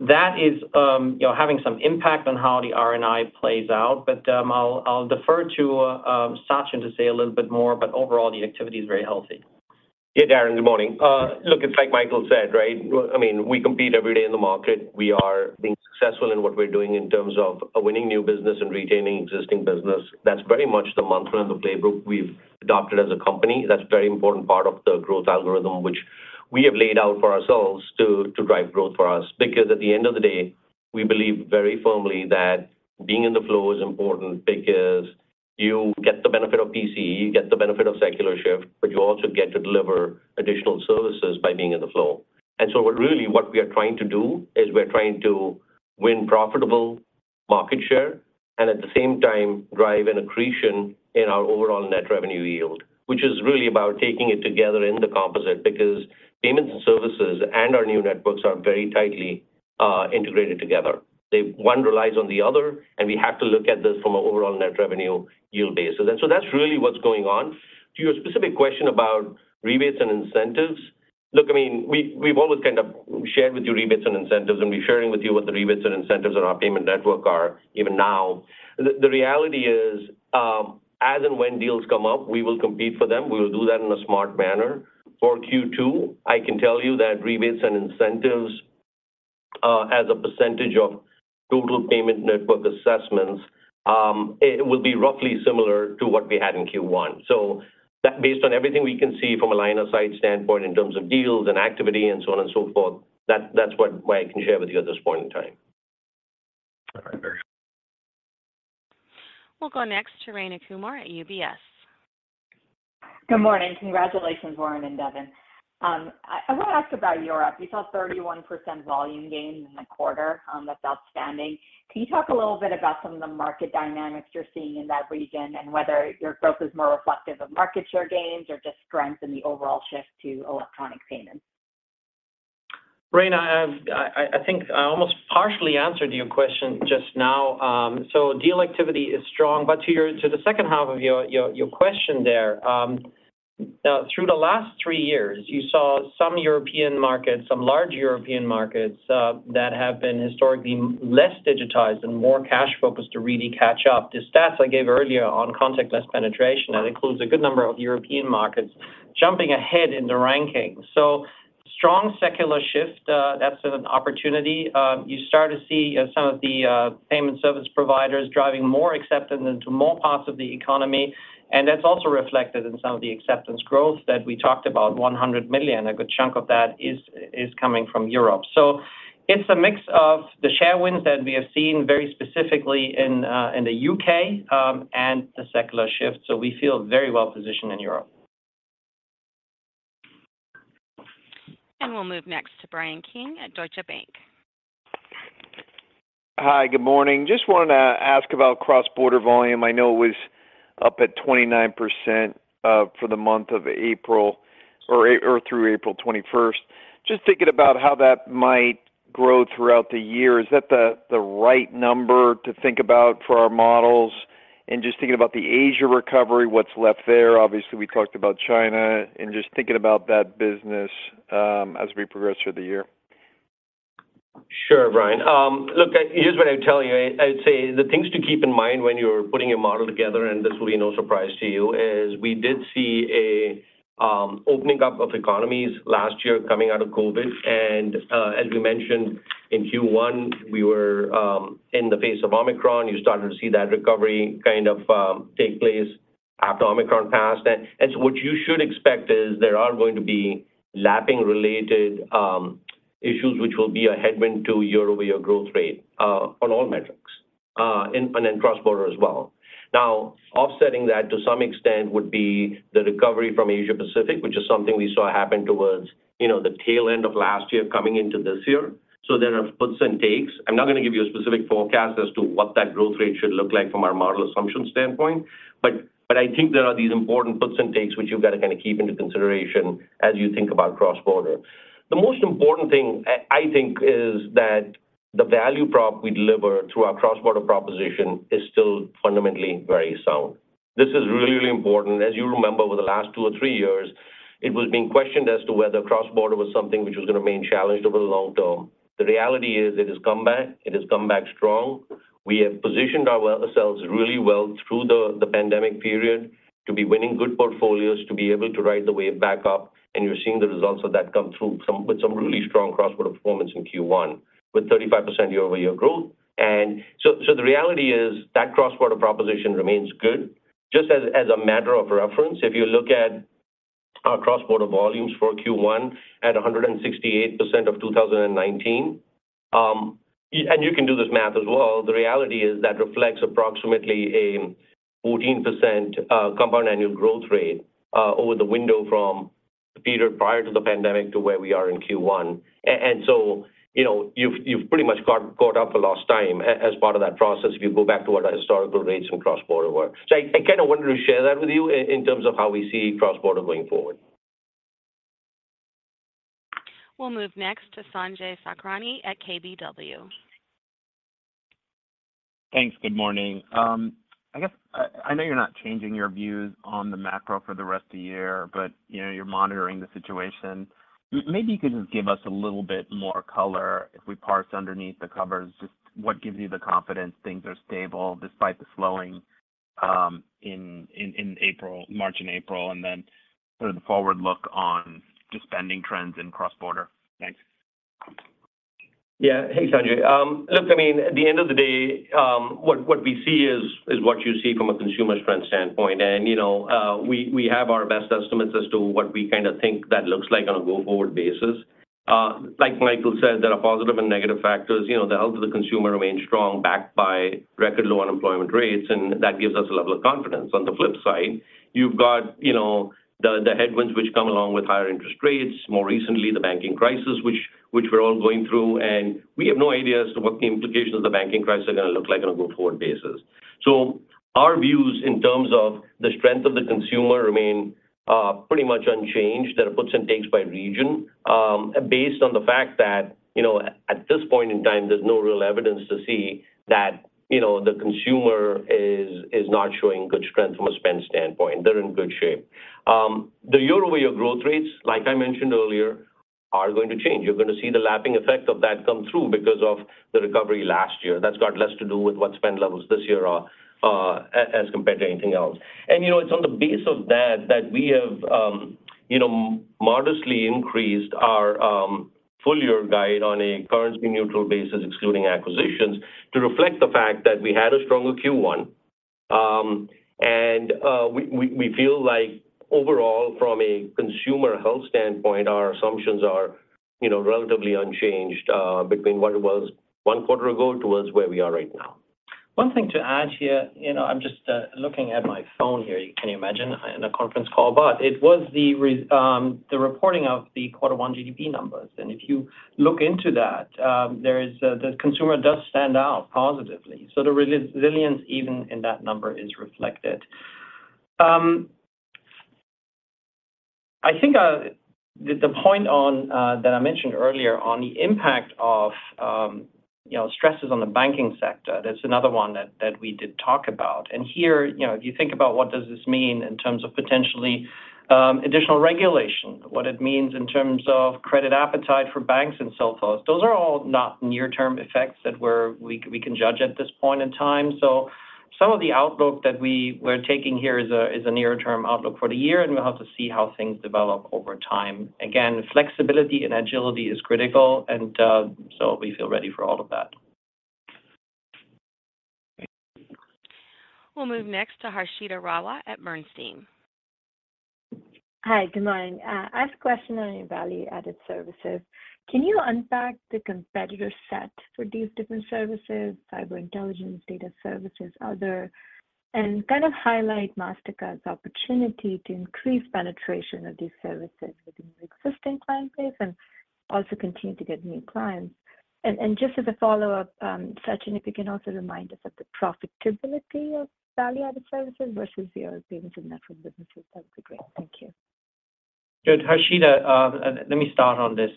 That is, you know, having some impact on how the RNI plays out. I'll defer to Sachin to say a little bit more, but overall, the activity is very healthy. Yeah, Darrin, good morning. Look, it's like Michael said, right? I mean, we compete every day in the market. We are being successful in what we're doing in terms of winning new business and retaining existing business. That's very much the mantra and the playbook we've adopted as a company. That's a very important part of the growth algorithm, which we have laid out for ourselves to drive growth for us. Because at the end of the day, we believe very firmly that being in the flow is important because you get the benefit of PC, you get the benefit of secular shift, but you also get to deliver additional services by being in the flow. What really what we are trying to do is we're trying to win profitable market share and at the same time drive an accretion in our overall net revenue yield, which is really about taking it together in the composite because payments and services and our new networks are very tightly integrated together. One relies on the other, and we have to look at this from an overall net revenue yield base. That's really what's going on. To your specific question about rebates and incentives, look, I mean, we've always kind of shared with you rebates and incentives, and we're sharing with you what the rebates and incentives on our Payment Network are even now. The reality is, as and when deals come up, we will compete for them. We will do that in a smart manner. For Q2, I can tell you that rebates and incentives as a percentage of total Payment Network assessments, it will be roughly similar to what we had in Q1. Based on everything we can see from a line of sight standpoint in terms of deals and activity and so on and so forth, that's what I can share with you at this point in time. All right. We'll go next to Rayna Kumar at UBS. Good morning. Congratulations, Warren and Devin. I wanna ask about Europe. You saw 31% volume gain in the quarter. That's outstanding. Can you talk a little bit about some of the market dynamics you're seeing in that region and whether your growth is more reflective of market share gains or just strength in the overall shift to electronic payments? Rayna, I think I almost partially answered your question just now. Deal activity is strong. To the second half of your question there, through the last three years, you saw some European markets, some large European markets, that have been historically less digitized and more cash focused to really catch up. The stats I gave earlier on contactless penetration, that includes a good number of European markets jumping ahead in the ranking. So. Strong secular shift, that's an opportunity. You start to see some of the payment service providers driving more acceptance into more parts of the economy, and that's also reflected in some of the acceptance growth that we talked about, 100 million. A good chunk of that is coming from Europe. It's a mix of the share wins that we have seen very specifically in the U.K. and the secular shift. We feel very well positioned in Europe. We'll move next to Bryan Keane at Deutsche Bank. Hi. Good morning. Just wanted to ask about cross-border volume. I know it was up at 29%, for the month of April or through April 21st. Just thinking about how that might grow throughout the year, is that the right number to think about for our models? Just thinking about the Asia recovery, what's left there, obviously we talked about China and just thinking about that business, as we progress through the year. Sure, Bryan. Look, here's what I would tell you. I'd say the things to keep in mind when you're putting a model together, and this will be no surprise to you, is we did see an opening up of economies last year coming out of COVID. As we mentioned in Q1, we were in the face of Omicron. You're starting to see that recovery kind of take place after Omicron passed. So what you should expect is there are going to be lapping related issues, which will be a headwind to year-over-year growth rate on all metrics, and then cross-border as well. Offsetting that to some extent would be the recovery from Asia-Pacific, which is something we saw happen towards, you know, the tail end of last year coming into this year. There are puts and takes. I'm not gonna give you a specific forecast as to what that growth rate should look like from our model assumption standpoint. I think there are these important puts and takes which you've got to kind of keep into consideration as you think about cross-border. The most important thing I think is that the value prop we deliver through our cross-border proposition is still fundamentally very sound. This is really important. As you remember over the last two or three years, it was being questioned as to whether cross-border was something which was gonna remain challenged over the long term. The reality is it has come back. It has come back strong. We have positioned ourselves really well through the pandemic period to be winning good portfolios, to be able to ride the wave back up. You're seeing the results of that come through with some really strong cross-border performance in Q1 with 35% year-over-year growth. The reality is that cross-border proposition remains good. Just as a matter of reference, if you look at our cross-border volumes for Q1 at 168% of 2019, and you can do this math as well. The reality is that reflects approximately a 14% compound annual growth rate over the window from the period prior to the pandemic to where we are in Q1. You know, you've pretty much caught up for lost time as part of that process if you go back to what our historical rates in cross-border were. I kind of wanted to share that with you in terms of how we see cross-border going forward. We'll move next to Sanjay Sakhrani at KBW. Thanks. Good morning. I guess I know you're not changing your views on the macro for the rest of the year, but you know, you're monitoring the situation. Maybe you could just give us a little bit more color if we parse underneath the covers, just what gives you the confidence things are stable despite the slowing, in April, March and April, and then sort of the forward look on just spending trends in cross-border? Thanks. Yeah. Hey, Sanjay. Look, I mean, at the end of the day, what we see is what you see from a consumer spend standpoint. You know, we have our best estimates as to what we kind of think that looks like on a go-forward basis. Like Michael said, there are positive and negative factors. You know, the health of the consumer remains strong, backed by record low unemployment rates, and that gives us a level of confidence. On the flip side, you've got, you know, the headwinds which come along with higher interest rates, more recently, the banking crisis we're all going through, and we have no idea as to what the implications of the banking crisis are gonna look like on a go-forward basis. Our views in terms of the strength of the consumer remain pretty much unchanged. There are puts and takes by region, based on the fact that, you know, at this point in time, there's no real evidence to see that, you know, the consumer is not showing good strength from a spend standpoint. They're in good shape. The year-over-year growth rates, like I mentioned earlier, are going to change. You're going to see the lapping effect of that come through because of the recovery last year. That's got less to do with what spend levels this year are as compared to anything else. You know, it's on the base of that we have, you know, modestly increased our full year guide on a currency neutral basis, excluding acquisitions, to reflect the fact that we had a stronger Q1. We feel like overall from a consumer health standpoint, our assumptions are, you know, relatively unchanged, between what it was one quarter ago towards where we are right now. One thing to add here, you know, I'm just looking at my phone here. Can you imagine in a conference call? It was the reporting of the Q1 GDP numbers. If you look into that, the consumer does stand out positively. The resilience even in that number is reflected. I think the point on that I mentioned earlier on the impact of, you know, stresses on the banking sector, that's another one that we did talk about. Here, you know, if you think about what does this mean in terms of potentially additional regulation, what it means in terms of credit appetite for banks and so forth, those are all not near-term effects that we can judge at this point in time. Some of the outlook that we were taking here is a, is a near term outlook for the year, and we'll have to see how things develop over time. Again, flexibility and agility is critical, and so we feel ready for all of that. We'll move next to Harshita Rawat at Bernstein. Hi. Good morning. I have a question on your Value-Added Services. Can you unpack the competitor set for these different services, cyber intelligence, data services, other, and kind of highlight Mastercard's opportunity to increase penetration of these services within your existing client base and also continue to get new clients? Just as a follow-up, Sachin, if you can also remind us of the profitability of Value-Added Services versus your payments and network businesses, that would be great. Thank you. Good. Harshita, let me start on this.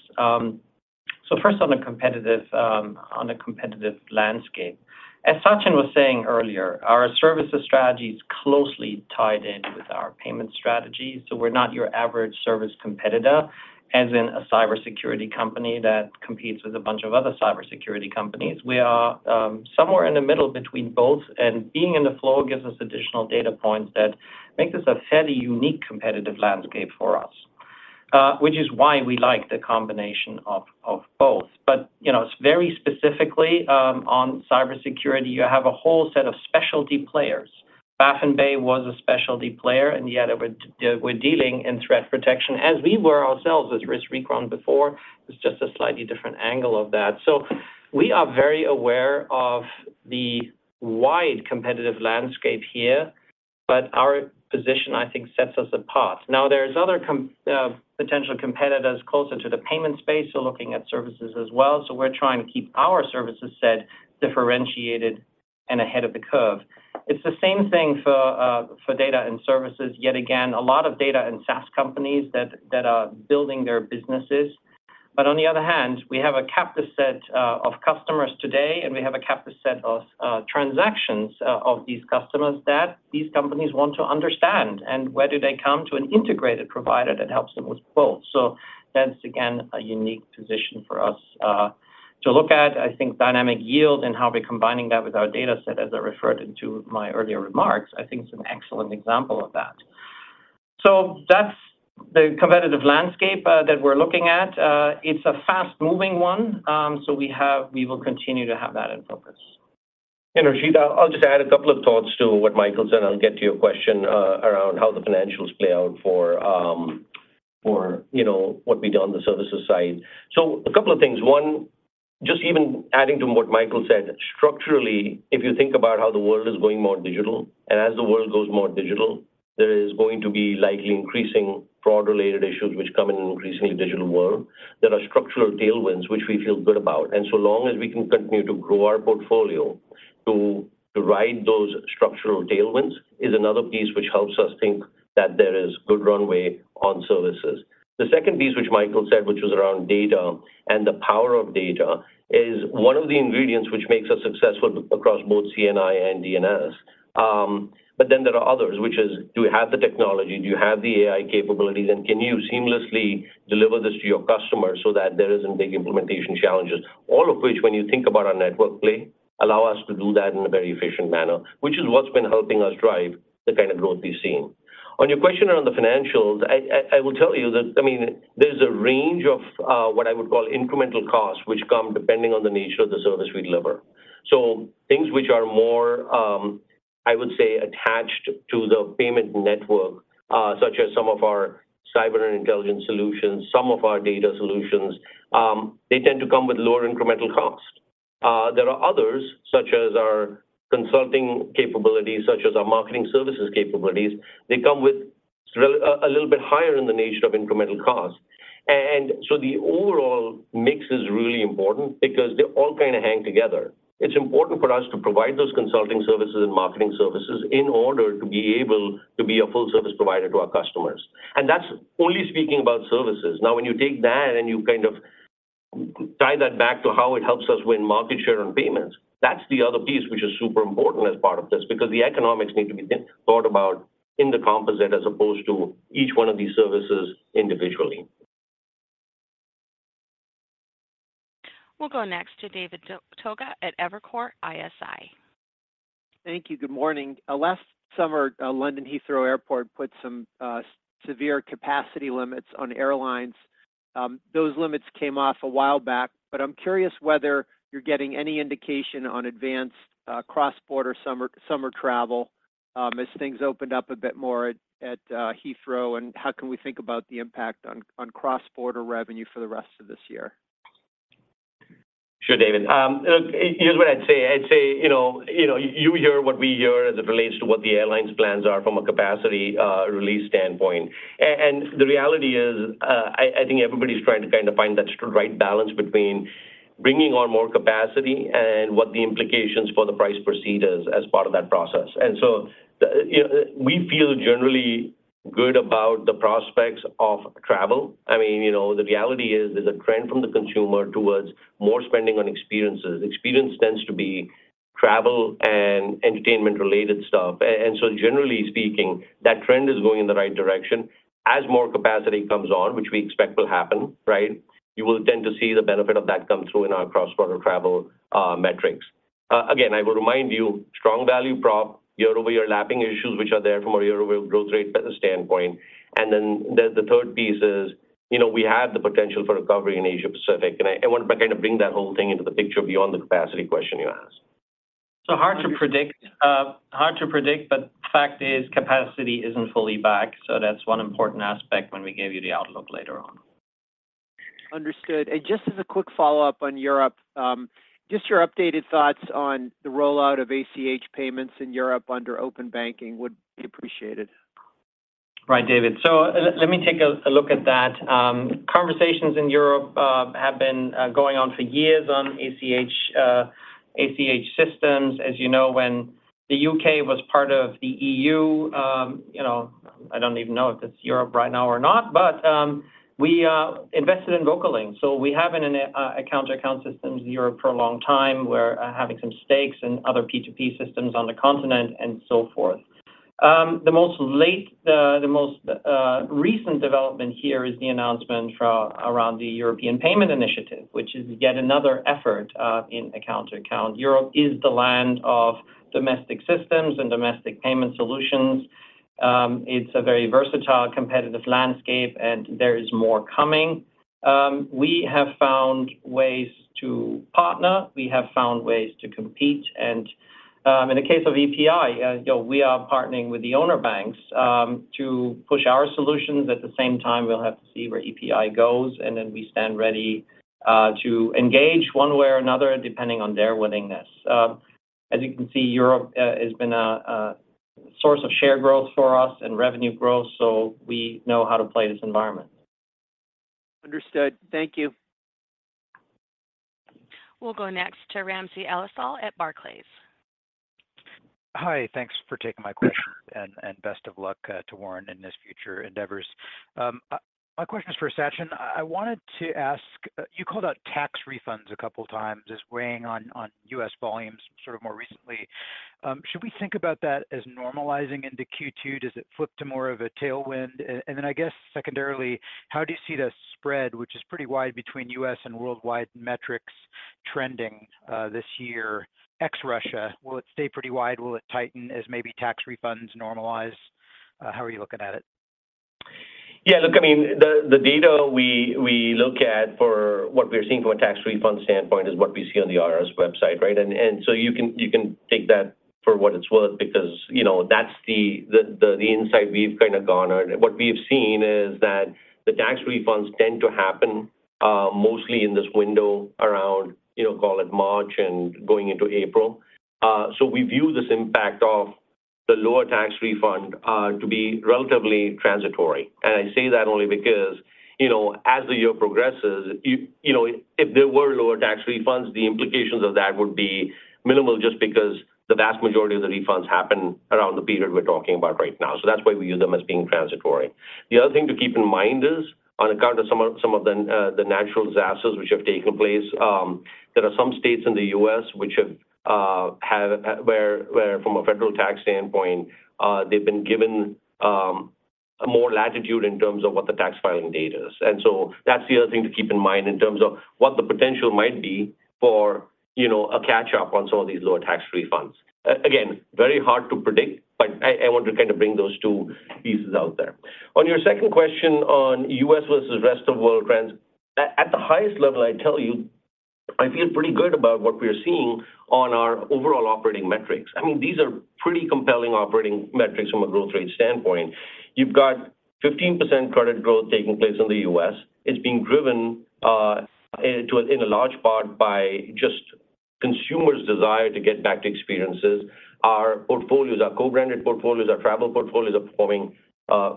First on the competitive landscape. As Sachin Mehra was saying earlier, our services strategy is closely tied in with our payment strategy. We're not your average service competitor, as in a cybersecurity company that competes with a bunch of other cybersecurity companies. We are somewhere in the middle between both, and being in the flow gives us additional data points that makes this a fairly unique competitive landscape for us, which is why we like the combination of both. You know, very specifically, on cybersecurity, you have a whole set of specialty players. Baffin Bay Networks was a specialty player in the area we're dealing in threat protection as we were ourselves with RiskRecon before. It's just a slightly different angle of that. We are very aware of the wide competitive landscape here, but our position, I think, sets us apart. There's other potential competitors closer to the payment space who are looking at services as well. We're trying to keep our services set differentiated and ahead of the curve. It's the same thing for data and services. Yet again, a lot of data and SaaS companies that are building their businesses. On the other hand, we have a captive set of customers today, and we have a captive set of transactions of these customers that these companies want to understand. Where do they come to an integrated provider that helps them with both? That's again, a unique position for us to look at. I think Dynamic Yield and how we're combining that with our data set, as I referred to my earlier remarks, I think is an excellent example of that. That's the competitive landscape that we're looking at. It's a fast-moving one, we will continue to have that in focus. Harshita, I'll just add a couple of thoughts to what Michael said. I'll get to your question around how the financials play out for, you know, what we do on the services side. A couple of things. One, just even adding to what Michael said, structurally, if you think about how the world is going more digital, and as the world goes more digital, there is going to be likely increasing fraud-related issues which come in an increasingly digital world. There are structural tailwinds which we feel good about. So long as we can continue to grow our portfolio to ride those structural tailwinds is another piece which helps us think that there is good runway on services. The second piece, which Michael said, which was around data and the power of data, is one of the ingredients which makes us successful across both C&I and D&S. There are others, which is, do you have the technology? Do you have the AI capabilities? Can you seamlessly deliver this to your customers so that there isn't big implementation challenges? All of which, when you think about our network play, allow us to do that in a very efficient manner, which is what's been helping us drive the kind of growth we've seen. On your question around the financials, I will tell you that, I mean, there's a range of what I would call incremental costs which come depending on the nature of the service we deliver. Things which are more, I would say, attached to the Payment Network, such as some of our cyber and intelligence solutions, some of our data solutions, they tend to come with lower incremental cost. There are others, such as our consulting capabilities, such as our marketing services capabilities. They come with a little bit higher in the nature of incremental cost. The overall mix is really important because they all kinda hang together. It's important for us to provide those consulting services and marketing services in order to be able to be a full service provider to our customers. That's only speaking about services. When you take that and you kind of tie that back to how it helps us win market share and payments, that's the other piece which is super important as part of this, because the economics need to be thought about in the composite as opposed to each one of these services individually. We'll go next to David Togut at Evercore ISI. Thank you. Good morning. Last summer, London Heathrow Airport put some severe capacity limits on airlines. Those limits came off a while back. I'm curious whether you're getting any indication on advanced, cross-border summer travel, as things opened up a bit more at Heathrow. How can we think about the impact on cross-border revenue for the rest of this year? Sure, David. Look, here's what I'd say. I'd say, you know, you hear what we hear as it relates to what the airline's plans are from a capacity release standpoint. And the reality is, I think everybody's trying to kind of find that right balance between bringing on more capacity and what the implications for the price procedure is as part of that process. You know, we feel generally good about the prospects of travel. I mean, you know, the reality is there's a trend from the consumer towards more spending on experiences. Experience tends to be travel and entertainment-related stuff. And so generally speaking, that trend is going in the right direction. As more capacity comes on, which we expect will happen, right, you will tend to see the benefit of that come through in our cross-border travel metrics. I will remind you strong value prop, year-over-year lapping issues which are there from a year-over-year growth rate standpoint. The third piece is, you know, we have the potential for recovery in Asia-Pacific, and I want to kind of bring that whole thing into the picture beyond the capacity question you asked. Hard to predict. Hard to predict, but fact is capacity isn't fully back. That's one important aspect when we give you the outlook later on. Understood. Just as a quick follow-up on Europe, just your updated thoughts on the rollout of ACH payments in Europe under open banking would be appreciated. Right, David. Let me take a look at that. Conversations in Europe have been going on for years on ACH systems. As you know, when the U.K. was part of the E.U., you know, I don't even know if it's Europe right now or not, but we invested in Vocalink. We have an account-to-account systems in Europe for a long time. We're having some stakes in other P2P systems on the continent and so forth. The most recent development here is the announcement around the European Payments Initiative, which is yet another effort in account-to-account. Europe is the land of domestic systems and domestic payment solutions. It's a very versatile, competitive landscape, and there is more coming. We have found ways to partner. We have found ways to compete. In the case of EPI, you know, we are partnering with the owner banks to push our solutions. At the same time, we'll have to see where EPI goes, then we stand ready to engage one way or another, depending on their willingness. As you can see, Europe has been a source of share growth for us and revenue growth, we know how to play this environment. Understood. Thank you. We'll go next to Ramsey El-Assal at Barclays. Hi. Thanks for taking my question and best of luck to Warren in his future endeavors. My question is for Sachin. I wanted to ask, you called out tax refunds a couple times as weighing on U.S. volumes sort of more recently. Should we think about that as normalizing into Q2? Does it flip to more of a tailwind? Then I guess secondarily, how do you see the spread, which is pretty wide between U.S. and worldwide metrics trending this year, ex Russia? Will it stay pretty wide? Will it tighten as maybe tax refunds normalize? How are you looking at it? Yeah, look, I mean, the data we look at for what we're seeing from a tax refund standpoint is what we see on the IRS website, right? You can take that for what it's worth because, you know, that's the insight we've kind of garnered. What we've seen is that the tax refunds tend to happen mostly in this window around, you know, call it March and going into April. We view this impact of the lower tax refund to be relatively transitory. I say that only because, you know, as the year progresses, you know, if there were lower tax refunds, the implications of that would be minimal just because the vast majority of the refunds happen around the period we're talking about right now. That's why we view them as being transitory. The other thing to keep in mind is on account of some of the natural disasters which have taken place, there are some states in the U.S. which have where from a federal tax standpoint, they've been given more latitude in terms of what the tax filing date is. That's the other thing to keep in mind in terms of what the potential might be for, you know, a catch-up on some of these lower tax refunds. Again, very hard to predict, but I want to kind of bring those two pieces out there. On your second question on U.S. versus rest of world trends, at the highest level, I tell you I feel pretty good about what we're seeing on our overall operating metrics. I mean, these are pretty compelling operating metrics from a growth rate standpoint. You've got 15% credit growth taking place in the U.S. It's being driven, in, to a, in a large part by just consumers' desire to get back to experiences. Our portfolios, our co-branded portfolios, our travel portfolios are performing,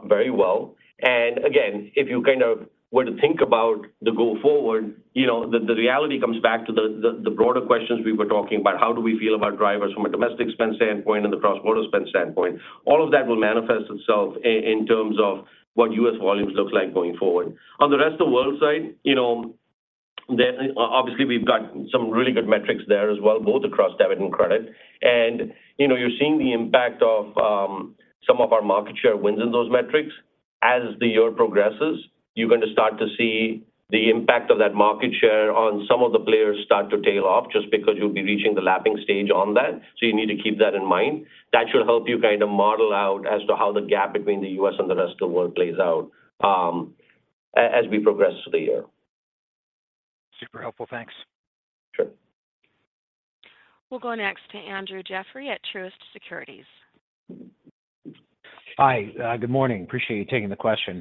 very well. And again, if you kind of were to think about the go forward, you know, the reality comes back to the broader questions we were talking about. How do we feel about drivers from a domestic spend standpoint and the cross-border spend standpoint? All of that will manifest itself in terms of what U.S. volumes look like going forward. On the rest of world side, you know, then obviously we've got some really good metrics there as well, both across debit and credit. You know, you're seeing the impact of some of our market share wins in those metrics. As the year progresses, you're going to start to see the impact of that market share on some of the players start to tail off just because you'll be reaching the lapping stage on that. You need to keep that in mind. That should help you kind of model out as to how the gap between the U.S. and the rest of the world plays out, as we progress through the year. Super helpful. Thanks. Sure. We'll go next to Andrew Jeffrey at Truist Securities. Hi. Good morning. Appreciate you taking the question.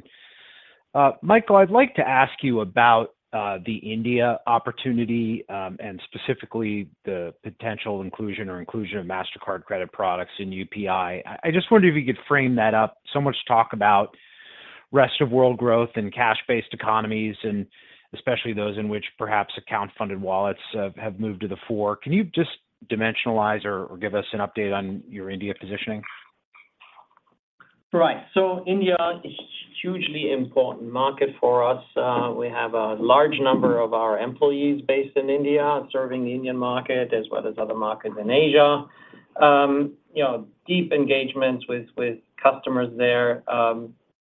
Michael, I'd like to ask you about, the India opportunity, and specifically the potential inclusion or inclusion of Mastercard credit products in UPI. I just wondered if you could frame that up. So much talk about rest of world growth and cash-based economies, and especially those in which perhaps account-funded wallets have moved to the fore. Can you just dimensionalize or give us an update on your India positioning? Right. India is hugely important market for us. We have a large number of our employees based in India serving the Indian market as well as other markets in Asia. You know, deep engagements with customers there.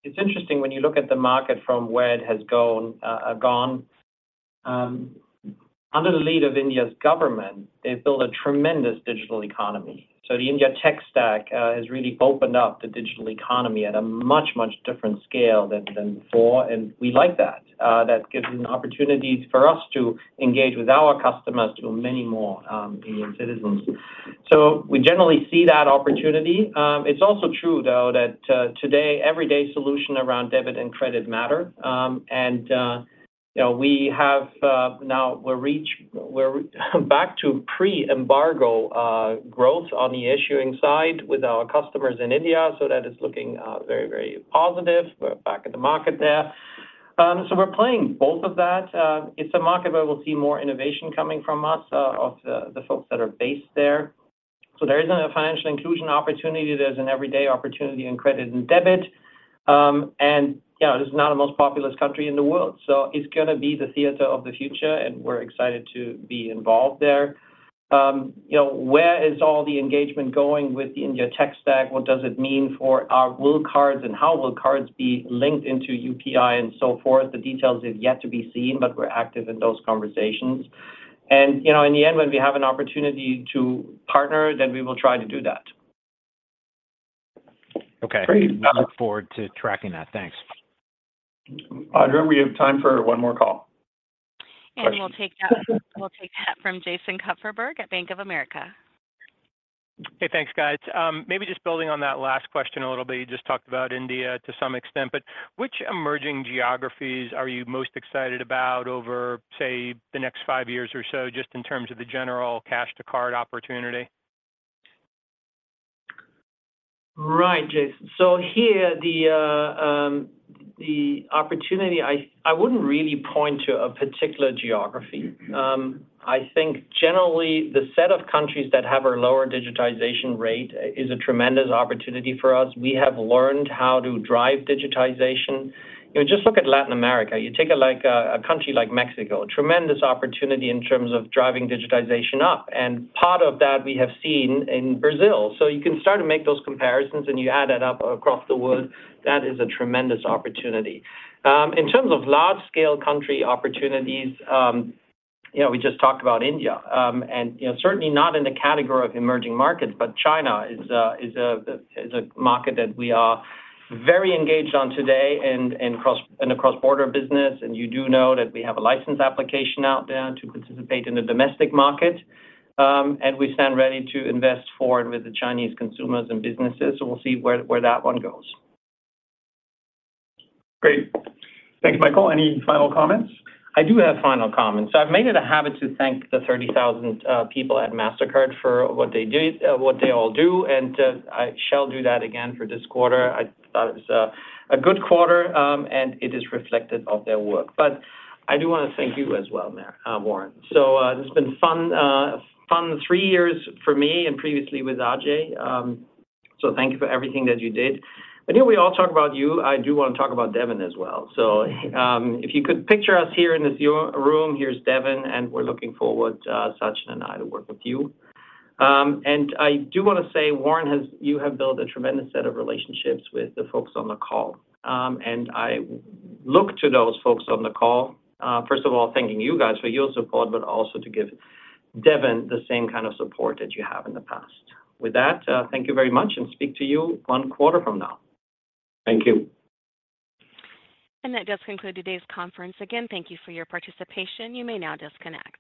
It's interesting when you look at the market from where it has gone. Under the lead of India's government, they've built a tremendous digital economy. The India Stack has really opened up the digital economy at a much different scale than before, and we like that. That gives an opportunity for us to engage with our customers to many more Indian citizens. We generally see that opportunity. It's also true though that today, everyday solution around debit and credit matter. You know, we have, now we're back to pre-embargo growth on the issuing side with our customers in India. That is looking very, very positive. We're back in the market there. We're playing both of that. It's a market where we'll see more innovation coming from us, of the folks that are based there. There isn't a financial inclusion opportunity. There's an everyday opportunity in credit and debit. You know, this is not the most populous country in the world, it's gonna be the theater of the future, and we're excited to be involved there. You know, where is all the engagement going with the India Stack? What does it mean for our will cards and how will cards be linked into UPI and so forth? The details is yet to be seen, but we're active in those conversations. You know, in the end, when we have an opportunity to partner, then we will try to do that. Okay. Great. I look forward to tracking that. Thanks. Audra, we have time for one more call. We'll take that from Jason Kupferberg at Bank of America. Hey, thanks guys. Maybe just building on that last question a little bit. You just talked about India to some extent, which emerging geographies are you most excited about over, say, the next five years or so, just in terms of the general cash to card opportunity? Jason. Here the opportunity, I wouldn't really point to a particular geography. I think generally the set of countries that have a lower digitization rate is a tremendous opportunity for us. We have learned how to drive digitization. You know, just look at Latin America. You take like a country like Mexico, tremendous opportunity in terms of driving digitization up, and part of that we have seen in Brazil. You can start to make those comparisons, and you add that up across the world, that is a tremendous opportunity. In terms of large scale country opportunities, you know, we just talked about India. You know, certainly not in the category of emerging markets, but China is a market that we are very engaged on today in the cross-border business. You do know that we have a license application out there to participate in the domestic market. We stand ready to invest forward with the Chinese consumers and businesses, we'll see where that one goes. Great. Thank you. Michael, any final comments? I do have final comments. I've made it a habit to thank the 30,000 people at Mastercard for what they do, what they all do. I shall do that again for this quarter. I thought it was a good quarter, and it is reflected of their work. I do want to thank you as well, Warren. This has been fun three years for me and previously with Ajay. Thank you for everything that you did. I know we all talk about you. I do want to talk about Devin as well. If you could picture us here in this room, here's Devin, and we're looking forward, Sachin and I to work with you. I do wanna say Warren you have built a tremendous set of relationships with the folks on the call. I look to those folks on the call, first of all, thanking you guys for your support, but also to give Devin the same kind of support that you have in the past. With that, thank you very much and speak to you one quarter from now. Thank you. That does conclude today's conference. Again, thank you for your participation. You may now disconnect.